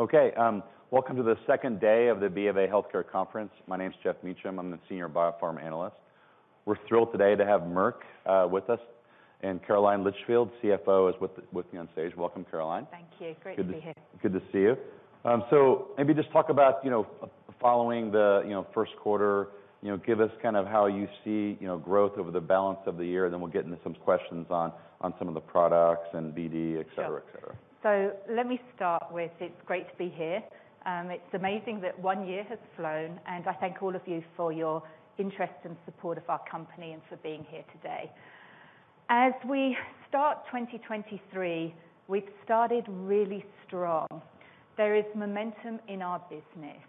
Okay. Welcome to the second day of the B of A Healthcare Conference. My name's Geoff Meacham. I'm the Senior Biopharm Analyst. We're thrilled today to have Merck with us, and Caroline Litchfield, CFO, is with me on stage. Welcome, Caroline. Thank you. Great to be here. Good to see you. Maybe just talk about, you know, following the, you know, first quarter. You know, give us kind of how you see, you know, growth over the balance of the year, we'll get into some questions on some of the products and BD. Sure... et cetera, et cetera. Let me start with, it's great to be here. It's amazing that one year has flown, and I thank all of you for your interest and support of our company and for being here today. As we start 2023, we've started really strong. There is momentum in our business.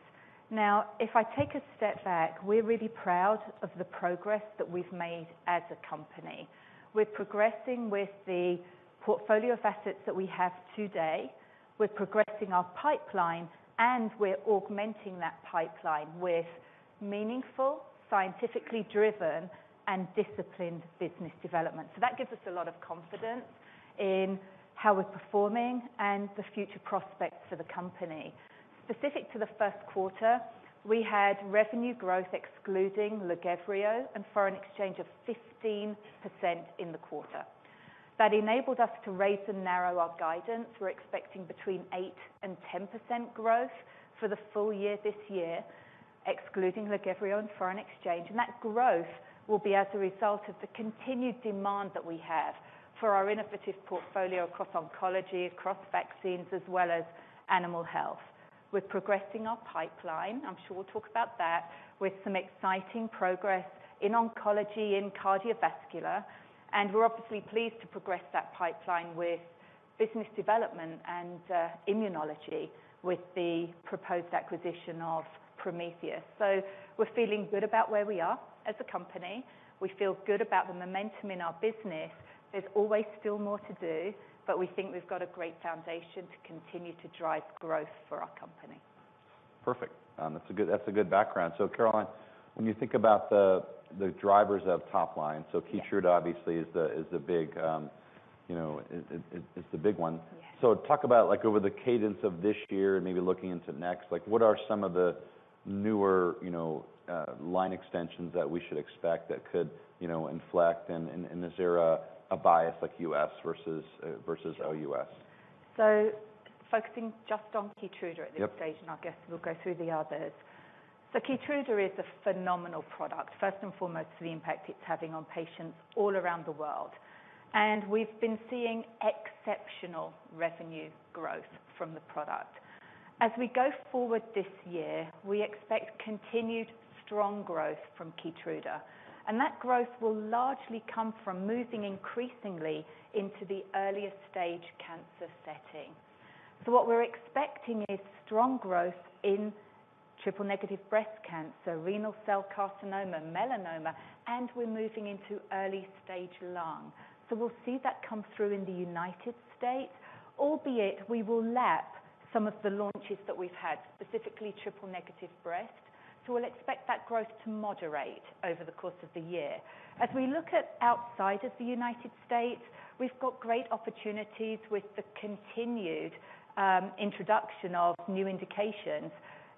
Now, if I take a step back, we're really proud of the progress that we've made as a company. We're progressing with the portfolio of assets that we have today, we're progressing our pipeline, and we're augmenting that pipeline with meaningful, scientifically driven, and disciplined business development. That gives us a lot of confidence in how we're performing and the future prospects for the company. Specific to the first quarter, we had revenue growth excluding LAGEVRIO and foreign exchange of 15% in the quarter. That enabled us to raise and narrow our guidance. We're expecting between 8% and 10% growth for the full year this year, excluding LAGEVRIO and foreign exchange. That growth will be as a result of the continued demand that we have for our innovative portfolio across oncology, across vaccines, as well as animal health. We're progressing our pipeline, I'm sure we'll talk about that, with some exciting progress in oncology and cardiovascular, and we're obviously pleased to progress that pipeline with business development and immunology with the proposed acquisition of Prometheus. We're feeling good about where we are as a company. We feel good about the momentum in our business. There's always still more to do, but we think we've got a great foundation to continue to drive growth for our company. Perfect. That's a good background. Caroline, when you think about the drivers of top line. Yeah. KEYTRUDA obviously is the big, you know, it's the big one. Yes. Talk about like over the cadence of this year, maybe looking into next, like what are some of the newer, you know, line extensions that we should expect that could, you know, inflect, and is there a bias like US versus versus OUS? focusing just on KEYTRUDA at this stage. Yep I guess we'll go through the others. KEYTRUDA is a phenomenal product, first and foremost for the impact it's having on patients all around the world. We've been seeing exceptional revenue growth from the product. As we go forward this year, we expect continued strong growth from KEYTRUDA, and that growth will largely come from moving increasingly into the earliest stage cancer setting. What we're expecting is strong growth in triple-negative breast cancer, renal cell carcinoma, melanoma, and we're moving into early stage lung. We'll see that come through in the United States, albeit we will lap some of the launches that we've had, specifically triple-negative breast. We'll expect that growth to moderate over the course of the year. As we look at outside of the United States, we've got great opportunities with the continued introduction of new indications,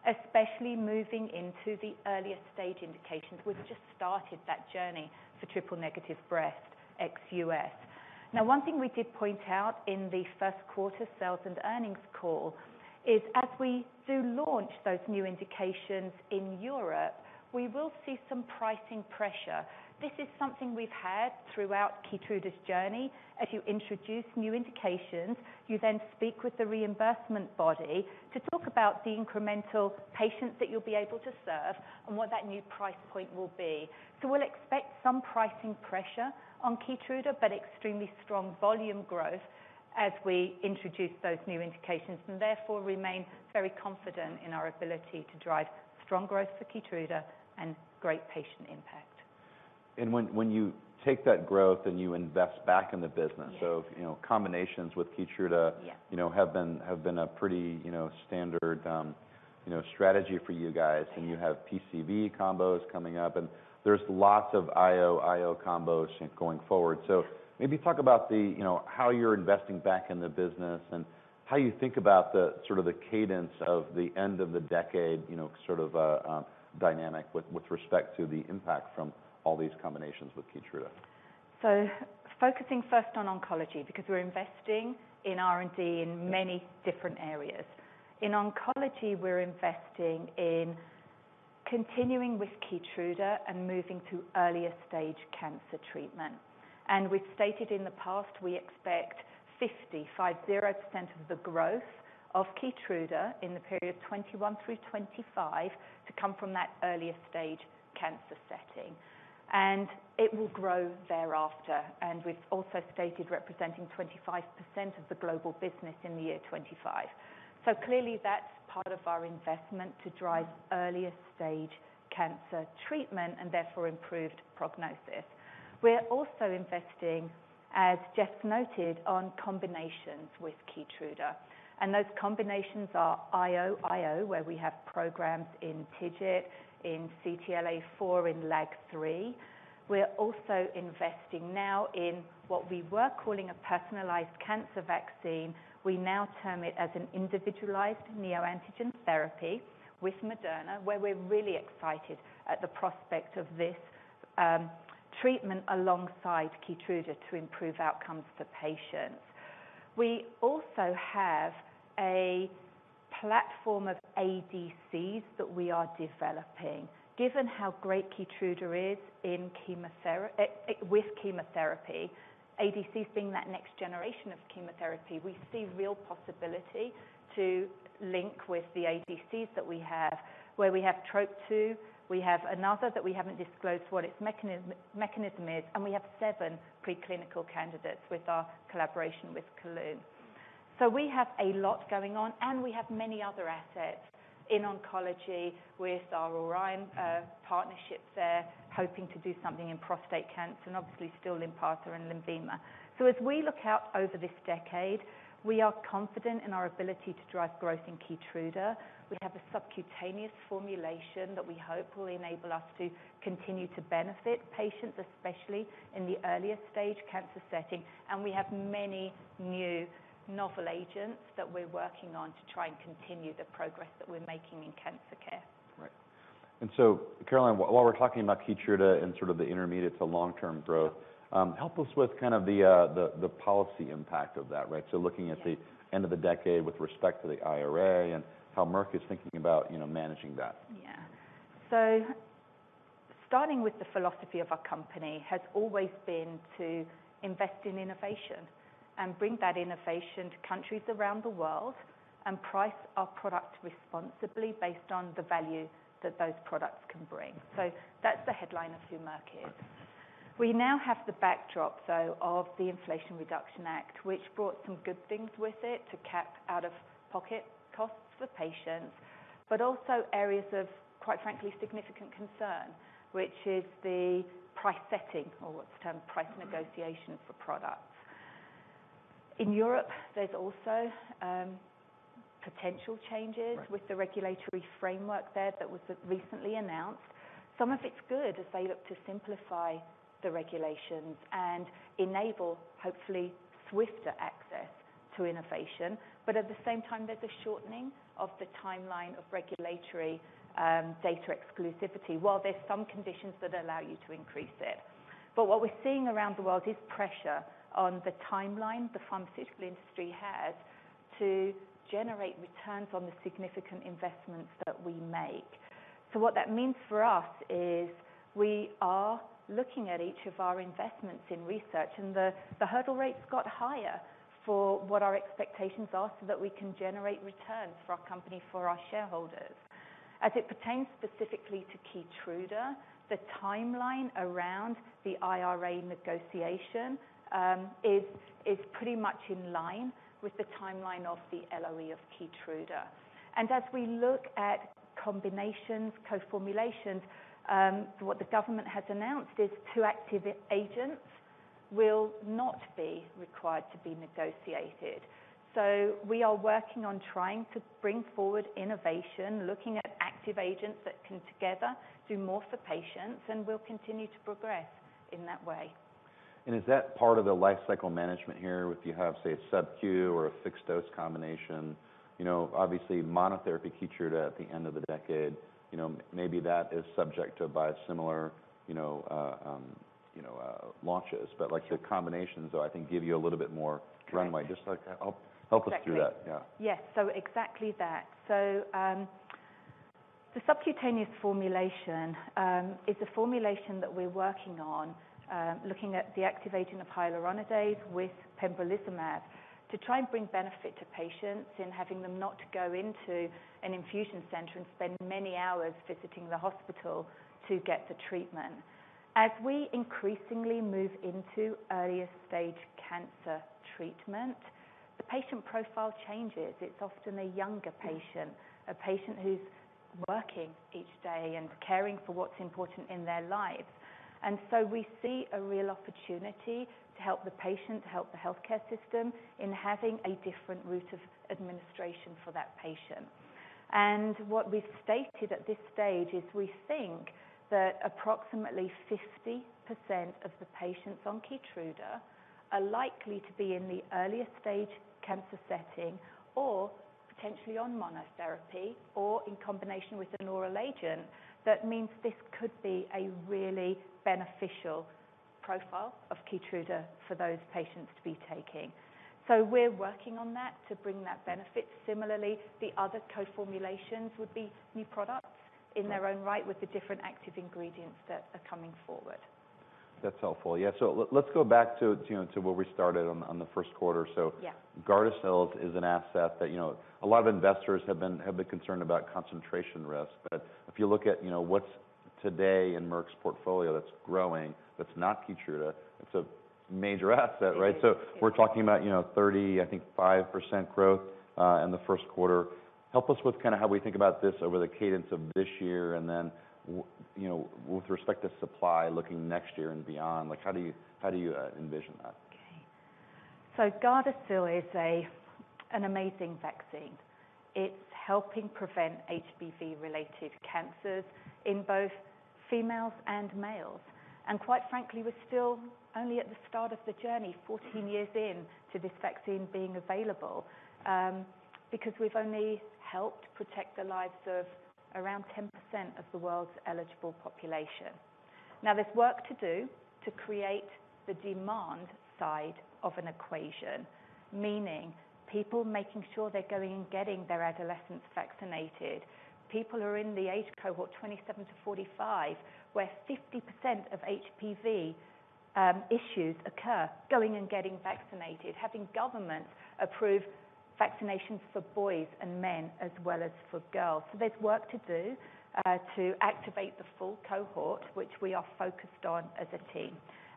especially moving into the earlier stage indications. We've just started that journey for triple-negative breast ex US. One thing we did point out in the first quarter sales and earnings call is as we do launch those new indications in Europe, we will see some pricing pressure. This is something we've had throughout KEYTRUDA's journey. As you introduce new indications, you then speak with the reimbursement body to talk about the incremental patients that you'll be able to serve and what that new price point will be. We'll expect some pricing pressure on KEYTRUDA, but extremely strong volume growth as we introduce those new indications, and therefore remain very confident in our ability to drive strong growth for KEYTRUDA and great patient impact. When you take that growth and you invest back in the business. Yes... you know, combinations with KEYTRUDA... Yeah... you know, have been a pretty, you know, standard, you know, strategy for you guys. Yes. You have PCV combos coming up, and there's lots of IO combos going forward. Maybe talk about the, you know, how you're investing back in the business and how you think about the sort of the cadence of the end of the decade, you know, sort of dynamic with respect to the impact from all these combinations with KEYTRUDA? Focusing first on oncology, because we're investing in R&D in many different areas. In oncology, we're investing in continuing with KEYTRUDA and moving to earlier stage cancer treatment. We've stated in the past, we expect 50% of the growth of KEYTRUDA in the period 2021 through 2025 to come from that earlier stage cancer setting. It will grow thereafter, and we've also stated representing 25% of the global business in the year 2025. Clearly that's part of our investment to drive earlier stage cancer treatment and therefore improved prognosis. We're also investing, as Geoff noted, on combinations with KEYTRUDA, and those combinations are IO, where we have programs in TIGIT, in CTLA-4, in LAG-3. We're also investing now in what we were calling a personalized cancer vaccine. We now term it as an individualized neoantigen therapy with Moderna, where we're really excited at the prospect of this treatment alongside KEYTRUDA to improve outcomes for patients. We also have a Platform of ADCs that we are developing. Given how great KEYTRUDA is with chemotherapy, ADCs being that next generation of chemotherapy, we see real possibility to link with the ADCs that we have, where we have TROP2, we have another that we haven't disclosed what its mechanism is, and we have seven preclinical candidates with our collaboration with Kelun-Biotech. We have a lot going on, and we have many other assets in oncology with our Orion partnerships. They're hoping to do something in prostate cancer and obviously still LYNPARZA and LENVIMA. As we look out over this decade, we are confident in our ability to drive growth in KEYTRUDA. We have a subcutaneous formulation that we hope will enable us to continue to benefit patients, especially in the earlier stage cancer setting. We have many new novel agents that we're working on to try and continue the progress that we're making in cancer care. Right. Caroline, while we're talking about KEYTRUDA and sort of the intermediate to long-term growth- Yeah... help us with kind of the policy impact of that, right? looking at. Yeah... end of the decade with respect to the IRA and how Merck is thinking about, you know, managing that. Starting with the philosophy of our company has always been to invest in innovation and bring that innovation to countries around the world, price our product responsibly based on the value that those products can bring. That's the headline of who Merck is. We now have the backdrop though of the Inflation Reduction Act, which brought some good things with it to cap out of pocket costs for patients, also areas of, quite frankly, significant concern, which is the price setting or what's the term, price negotiation for products. In Europe, there's also potential changes- Right... with the regulatory framework there that was recently announced. Some of it's good as they look to simplify the regulations and enable, hopefully, swifter access to innovation. At the same time, there's a shortening of the timeline of regulatory data exclusivity, while there's some conditions that allow you to increase it. What we're seeing around the world is pressure on the timeline the pharmaceutical industry has to generate returns on the significant investments that we make. What that means for us is we are looking at each of our investments in research, and the hurdle rates got higher for what our expectations are so that we can generate returns for our company, for our shareholders. As it pertains specifically to KEYTRUDA, the timeline around the IRA negotiation is pretty much in line with the timeline of the LOE of KEYTRUDA. As we look at combinations, co-formulations, what the government has announced is two active agents will not be required to be negotiated. We are working on trying to bring forward innovation, looking at active agents that can together do more for patients, and we'll continue to progress in that way. Is that part of the life cycle management here, if you have, say, a subcu or a fixed dose combination? You know, obviously monotherapy KEYTRUDA at the end of the decade, you know, maybe that is subject to a biosimilar, you know, launches. Like the combinations though, I think give you a little bit more runway. Correct. Just like, help us through that. Exactly. Yeah. Yes. Exactly that. The subcutaneous formulation is a formulation that we're working on, looking at the activating of hyaluronidase with pembrolizumab to try and bring benefit to patients in having them not go into an infusion center and spend many hours visiting the hospital to get the treatment. As we increasingly move into earlier stage cancer treatment, the patient profile changes. It's often a younger patient, a patient who's working each day and caring for what's important in their lives. We see a real opportunity to help the patient, to help the healthcare system in having a different route of administration for that patient. What we've stated at this stage is we think that approximately 50% of the patients on KEYTRUDA are likely to be in the earliest stage cancer setting or potentially on monotherapy or in combination with an oral agent. That means this could be a really beneficial profile of KEYTRUDA for those patients to be taking. We're working on that to bring that benefit. Similarly, the other co-formulations would be new products in their own right with the different active ingredients that are coming forward. That's helpful. Yeah. Let's go back to, you know, to where we started on the first quarter. Yeah GARDASIL is an asset that, you know, a lot of investors have been concerned about concentration risk. If you look at, you know, what's today in Merck's portfolio that's growing, that's not KEYTRUDA, it's a major asset, right? Yeah. We're talking about, you know, 35% growth in the first quarter. Help us with kind of how we think about this over the cadence of this year, and then you know, with respect to supply looking next year and beyond, like how do you envision that? GARDASIL is an amazing vaccine. It's helping prevent HPV-related cancers in both females and males. Quite frankly, we're still only at the start of the journey, 14 years in to this vaccine being available, because we've only helped protect the lives of around 10% of the world's eligible population. There's work to do to create the demand side of an equation, meaning people making sure they're going and getting their adolescents vaccinated. People who are in the age cohort 27-45, where 50% of HPV issues occur, going and getting vaccinated, having governments approve vaccinations for boys and men as well as for girls. There's work to do to activate the full cohort, which we are focused on as a team.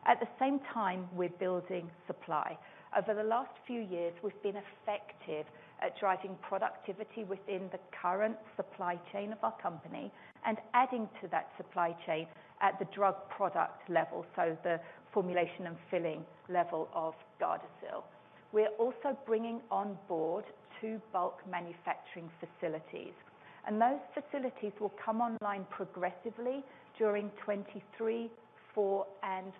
At the same time, we're building supply. Over the last few years, we've been effective at driving productivity within the current supply chain of our company and adding to that supply chain at the drug product level, so the formulation and filling level of GARDASIL. We're also bringing on board two bulk manufacturing facilities, and those facilities will come online progressively during 2023, 2024, and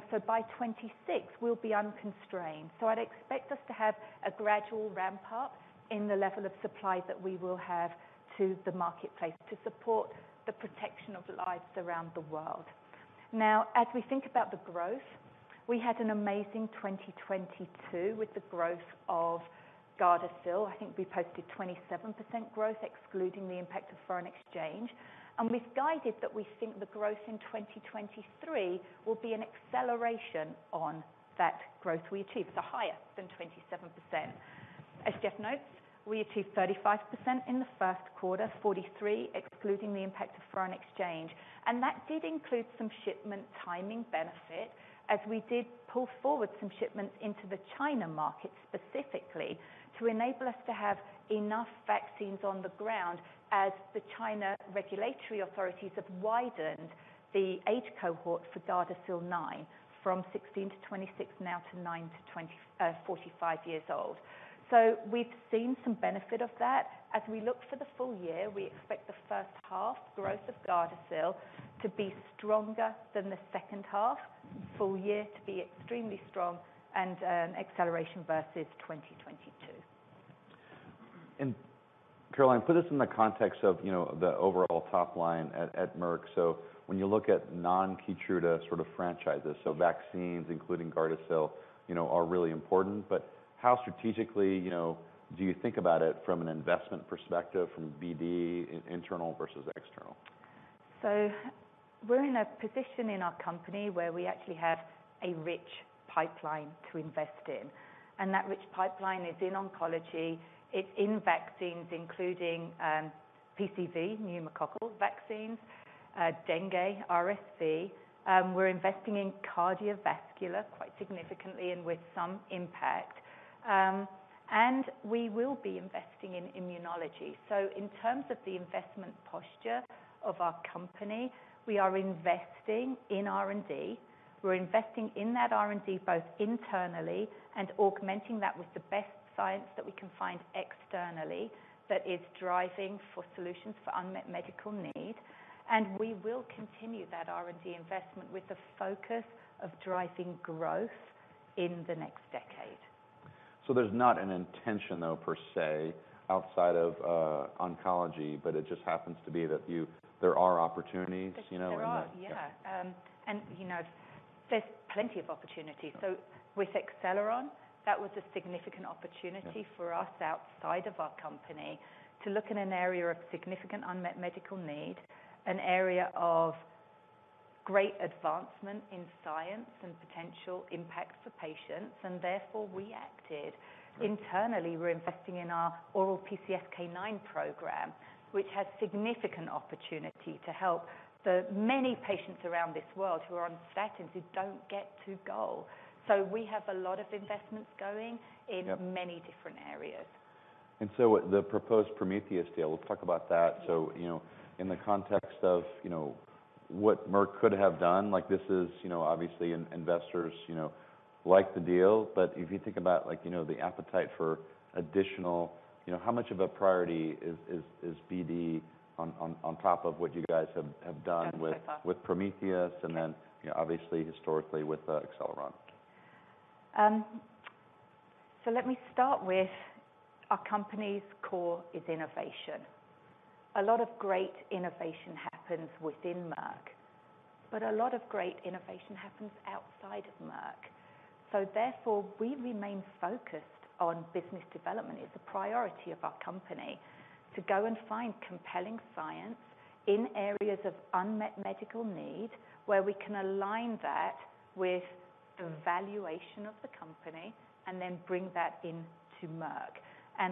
2025. By 2026 we'll be unconstrained. I'd expect us to have a gradual ramp up in the level of supply that we will have to the marketplace to support the protection of lives around the world. As we think about the growth, we had an amazing 2022 with the growth of GARDASIL. I think we posted 27% growth excluding the impact of foreign exchange. We've guided that we think the growth in 2023 will be an acceleration on that growth we achieved. It's higher than 27%. As Geoff notes, we achieved 35% in the first quarter, 43% excluding the impact of foreign exchange. That did include some shipment timing benefit as we did pull forward some shipments into the China market specifically to enable us to have enough vaccines on the ground as the China regulatory authorities have widened the age cohort for GARDASIL 9 from 16-26, now to 9-45 years old. We've seen some benefit of that. As we look for the full year, we expect the first half growth of GARDASIL to be stronger than the second half, full year to be extremely strong and acceleration versus 2022. Caroline, put this in the context of, you know, the overall top line at Merck. When you look at non-KEYTRUDA sort of franchises, so vaccines including GARDASIL, you know, are really important, but how strategically, you know, do you think about it from an investment perspective, from BD, in-internal versus external? We're in a position in our company where we actually have a rich pipeline to invest in. That rich pipeline is in oncology, it's in vaccines including PCV, pneumococcal vaccines, dengue, RSV. We're investing in cardiovascular quite significantly and with some impact. We will be investing in immunology. In terms of the investment posture of our company, we are investing in R&D. We're investing in that R&D both internally and augmenting that with the best science that we can find externally that is driving for solutions for unmet medical need. We will continue that R&D investment with the focus of driving growth in the next decade. There's not an intention though, per se, outside of oncology, but it just happens to be that there are opportunities, you know, in the. There are, yeah. You know, there's plenty of opportunities. Okay. With Acceleron, that was a significant opportunity. Yeah ...for us outside of our company to look in an area of significant unmet medical need, an area of great advancement in science and potential impact for patients, and therefore we acted. Right. Internally, we're investing in our oral PCSK9 program, which has significant opportunity to help the many patients around this world who are on statins who don't get to goal. We have a lot of investments. Yep ...in many different areas. The proposed Prometheus deal, we'll talk about that. Yeah. You know, in the context of, you know, what Merck could have done, like this is, you know, obviously investors, you know, like the deal. If you think about like, you know, the appetite for additional, you know, how much of a priority is BD on top of what you guys have done with... Yes ...with Prometheus and then, you know, obviously historically with Acceleron? Let me start with our company's core is innovation. A lot of great innovation happens within Merck, but a lot of great innovation happens outside of Merck. Therefore, we remain focused on business development. It's a priority of our company to go and find compelling science in areas of unmet medical need, where we can align that with the valuation of the company and then bring that into Merck.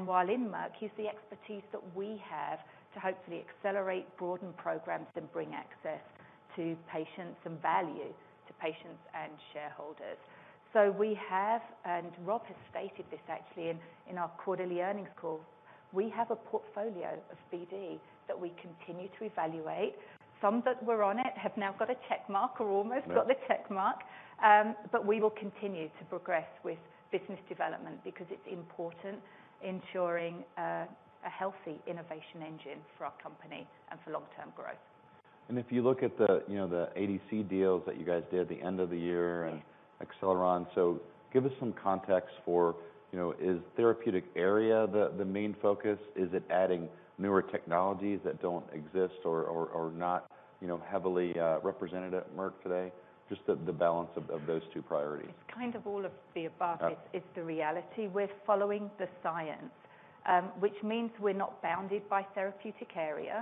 While in Merck, use the expertise that we have to hopefully accelerate, broaden programs, and bring access to patients and value to patients and shareholders. We have, and Rob has stated this actually in our quarterly earnings call, we have a portfolio of BD that we continue to evaluate. Some that were on it have now got a check mark or almost... Yeah ...got the check mark. We will continue to progress with business development because it's important ensuring, a healthy innovation engine for our company and for long-term growth. If you look at the, you know, the ADC deals that you guys did at the end of the year and Acceleron. Give us some context for, you know, is therapeutic area the main focus? Is it adding newer technologies that don't exist or, or not, you know, heavily, represented at Merck today? Just the balance of those two priorities? It's kind of all of the above. Uh. -is the reality. We're following the science, which means we're not bounded by therapeutic area.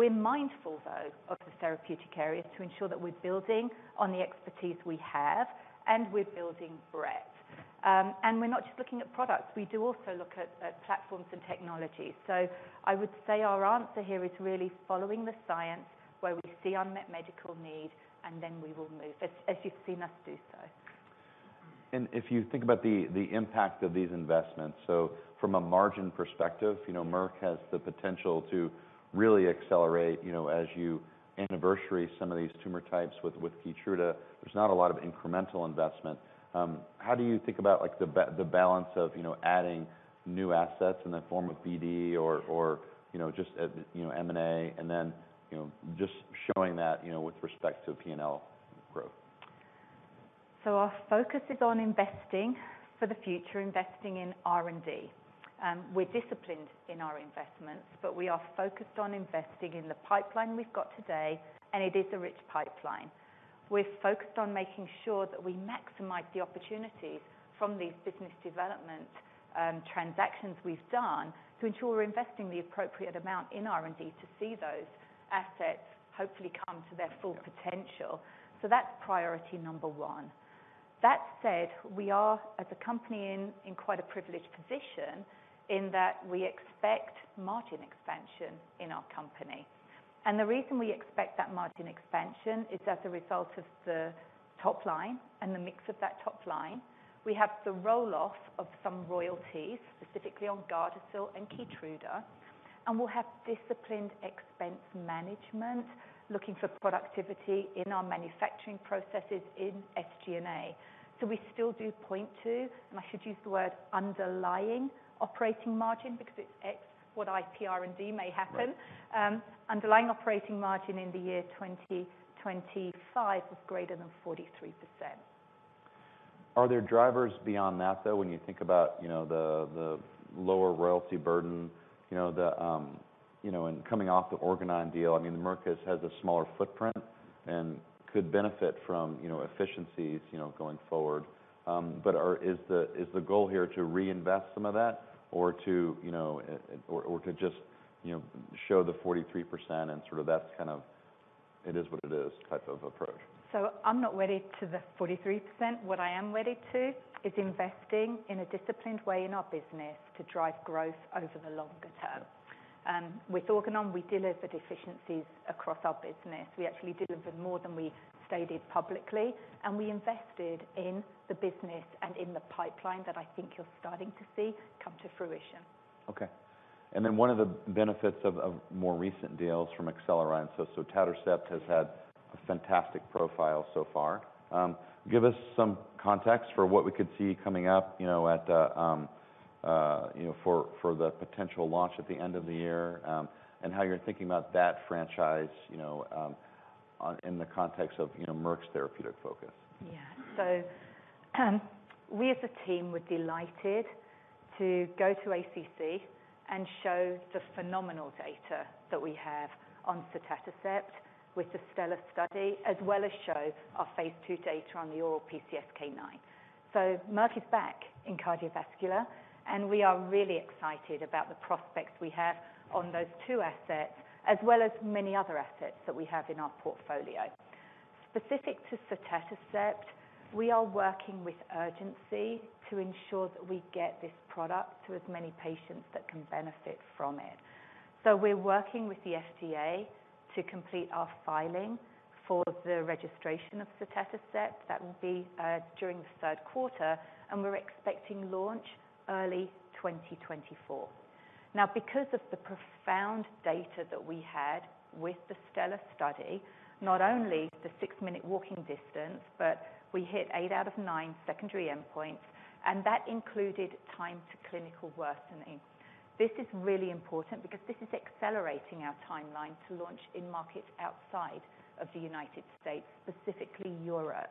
We're mindful though of the therapeutic areas to ensure that we're building on the expertise we have, and we're building breadth. We're not just looking at products, we do also look at platforms and technologies. I would say our answer here is really following the science where we see unmet medical need, and then we will move, as you've seen us do so. If you think about the impact of these investments, so from a margin perspective, you know, Merck has the potential to really accelerate, you know, as you anniversary some of these tumor types with Keytruda, there's not a lot of incremental investment. How do you think about like the balance of, you know, adding new assets in the form of BD or, you know, just, you know, M&A, and then, you know, just showing that, you know, with respect to P&L growth? Our focus is on investing for the future, investing in R&D. We're disciplined in our investments, but we are focused on investing in the pipeline we've got today, and it is a rich pipeline. We're focused on making sure that we maximize the opportunities from these business development transactions we've done to ensure we're investing the appropriate amount in R&D to see those assets hopefully come to their full potential. That's priority number 1. That said, we are as a company in quite a privileged position in that we expect margin expansion in our company. The reason we expect that margin expansion is as a result of the top line and the mix of that top line. We have the roll-off of some royalties, specifically on GARDASIL and KEYTRUDA, and we'll have disciplined expense management looking for productivity in our manufacturing processes in SG&A. We still do point to, and I should use the word underlying operating margin because it's ex what IPR&D may happen. Right. Underlying operating margin in the year 2025 is greater than 43%. Are there drivers beyond that though, when you think about, you know, the lower royalty burden, you know, the, you know, and coming off the Organon deal, I mean, Merck has a smaller footprint and could benefit from, you know, efficiencies, you know, going forward. Is the goal here to reinvest some of that or to, you know, or to just, you know, show the 43% and sort of that's kind of it is what it is type of approach? I'm not wedded to the 43%. What I am wedded to is investing in a disciplined way in our business to drive growth over the longer term. With Organon, we delivered efficiencies across our business. We actually delivered more than we stated publicly, and we invested in the business and in the pipeline that I think you're starting to see come to fruition. Okay. One of the benefits of more recent deals from Acceleron, so sotatercept has had a fantastic profile so far. Give us some context for what we could see coming up, you know, at, you know, for the potential launch at the end of the year, and how you're thinking about that franchise, you know, in the context of, you know, Merck's therapeutic focus? Yeah. We as a team were delighted to go to ACC and show the phenomenal data that we have on sotatercept with the STELLAR study, as well as show our phase II data on the oral PCSK9. Merck is back in cardiovascular, and we are really excited about the prospects we have on those two assets, as well as many other assets that we have in our portfolio. Specific to sotatercept, we are working with urgency to ensure that we get this product to as many patients that can benefit from it. We're working with the FDA to complete our filing for the registration of sotatercept. That will be during the third quarter, and we're expecting launch early 2024. Because of the profound data that we had with the STELLAR study, not only the six-minute walk distance, but we hit eight out of nine secondary endpoints, and that included time to clinical worsening. This is really important because this is accelerating our timeline to launch in markets outside of the United States, specifically Europe.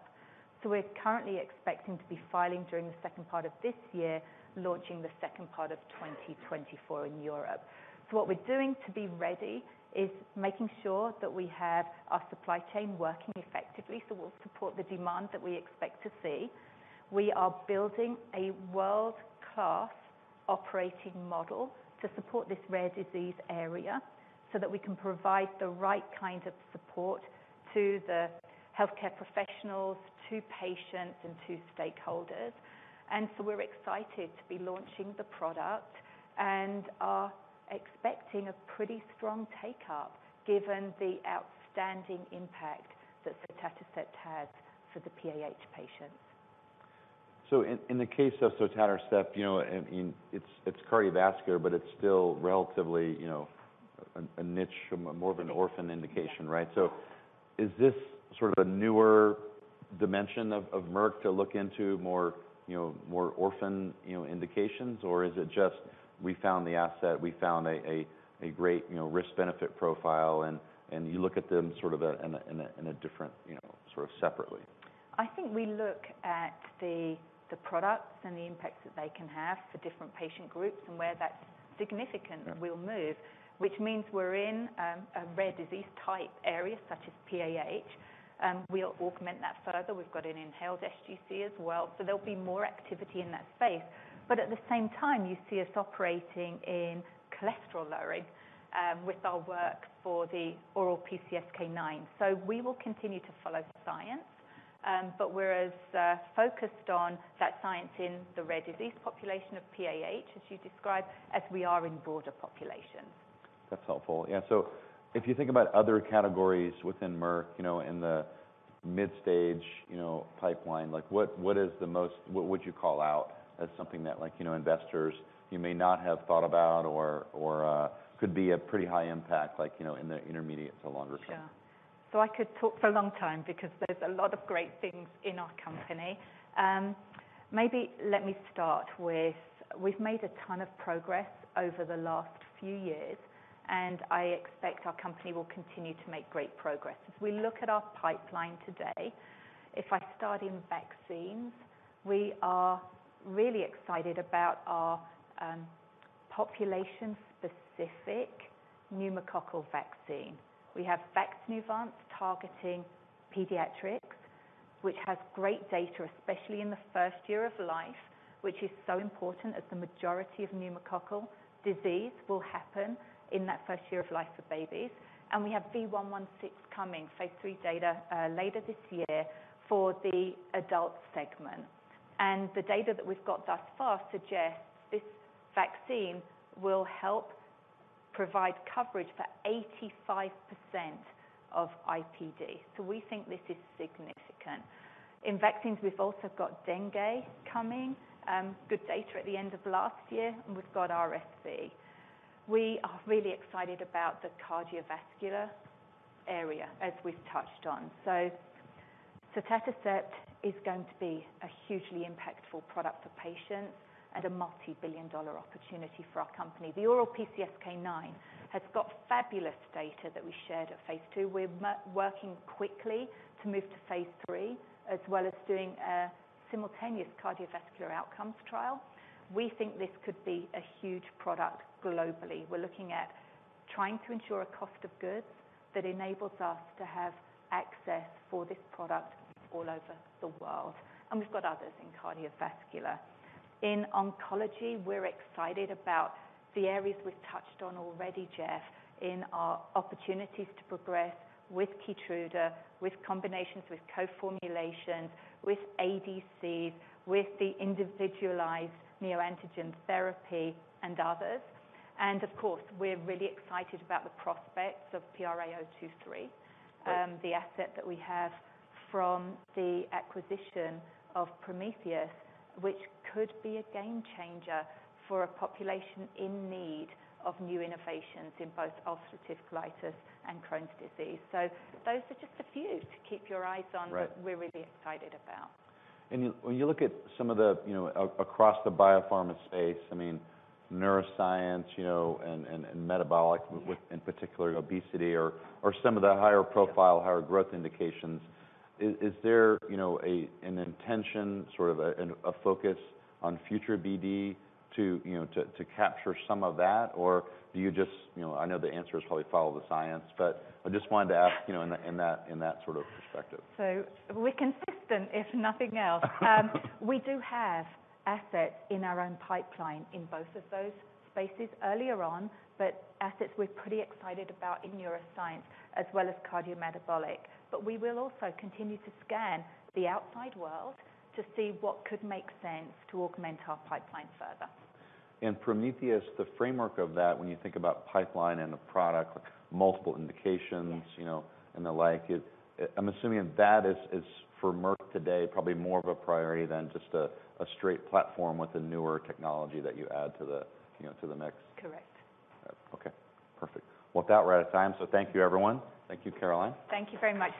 We're currently expecting to be filing during the second part of this year, launching the second part of 2024 in Europe. What we're doing to be ready is making sure that we have our supply chain working effectively, so we'll support the demand that we expect to see. We are building a world-class operating model to support this rare disease area, so that we can provide the right kind of support to the healthcare professionals, to patients, and to stakeholders. We're excited to be launching the product and are expecting a pretty strong take-up given the outstanding impact that sotatercept had for the PAH patients. In the case of sotatercept, you know, I mean, it's cardiovascular, but it's still relatively, you know, a niche, more of an orphan indication, right? Is this sort of a newer dimension of Merck to look into more, you know, more orphan, you know, indications? Or is it just we found the asset, we found a great, you know, risk-benefit profile and you look at them sort of a in a different, you know, sort of separately? I think we look at the products and the impacts that they can have for different patient groups, and where that's significant... Right. We'll move. Which means we're in a rare disease type area, such as PAH, we'll augment that further. We've got an inhaled sGC as well. There'll be more activity in that space. At the same time, you see us operating in cholesterol lowering, with our work for the oral PCSK9. We will continue to follow science, but we're as focused on that science in the rare disease population of PAH, as you described, as we are in broader populations. That's helpful. Yeah. If you think about other categories within Merck, you know, in the mid stage, you know, pipeline, like what would you call out as something that like, you know, investors, you may not have thought about or could be a pretty high impact, like, you know, in the intermediate to longer term? Sure. I could talk for a long time because there's a lot of great things in our company. Maybe let me start with, we've made a ton of progress over the last few years, and I expect our company will continue to make great progress. If we look at our pipeline today, if I start in vaccines, we are really excited about our population-specific pneumococcal vaccine. We have VAXNEUVANCE targeting pediatrics, which has great data, especially in the first year of life, which is so important as the majority of pneumococcal disease will happen in that first year of life for babies. We have V116 coming, phase III data later this year for the adult segment. The data that we've got thus far suggests this vaccine will help provide coverage for 85% of IPD. We think this is significant. In vaccines, we've also got dengue coming, good data at the end of last year, and we've got RSV. We are really excited about the cardiovascular area, as we've touched on. sotatercept is going to be a hugely impactful product for patients and a multi-billion dollar opportunity for our company. The oral PCSK9 has got fabulous data that we shared at phase II. We're working quickly to move to phase III, as well as doing a simultaneous cardiovascular outcomes trial. We think this could be a huge product globally. We're looking at trying to ensure a cost of goods that enables us to have access for this product all over the world. We've got others in cardiovascular. In oncology, we're excited about the areas we've touched on already, Geoff, in our opportunities to progress with KEYTRUDA, with combinations, with co-formulations, with ADCs, with the individualized neoantigen therapy and others. Of course, we're really excited about the prospects of PRA023. Great. The asset that we have from the acquisition of Prometheus, which could be a game changer for a population in need of new innovations in both ulcerative colitis and Crohn's disease. Those are just a few to keep your eyes on. Right. That we're really excited about. When you look at some of the, you know, across the biopharma space, I mean, neuroscience, you know, and metabolic- Yeah. With and particularly obesity or some of the higher profile, higher growth indications, is there, you know, an intention, sort of a focus on future BD to, you know, capture some of that? Do you just. You know, I know the answer is probably follow the science, but I just wanted to ask. You know, in that sort of perspective. We're consistent, if nothing else. We do have assets in our own pipeline in both of those spaces earlier on, but assets we're pretty excited about in neuroscience as well as cardiometabolic. We will also continue to scan the outside world to see what could make sense to augment our pipeline further. Prometheus, the framework of that when you think about pipeline and the product, multiple indications. Yes. you know, and the like, it, I'm assuming that is for Merck today probably more of a priority than just a straight platform with a newer technology that you add to the, you know, to the mix. Correct. All right. Okay. Perfect. Well, with that, we're out of time. Thank you, everyone. Thank you, Caroline. Thank you very much.